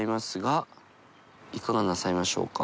いかがなさいましょうか？